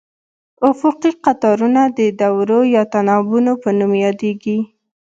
افقي قطارونه د دورو یا تناوبونو په نوم یادیږي.